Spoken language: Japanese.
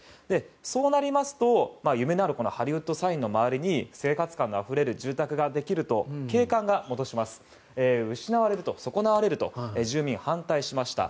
そうなりますと夢のあるハリウッド・サインの周りに生活感のあふれる住宅ができると景観が失われる、損なわれると住民は反対しました。